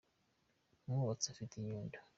umwubatsi afite inyundo